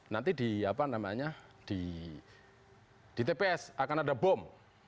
nanti di apa namanya di tps akan ada bom